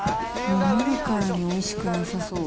見るからにおいしくなさそう。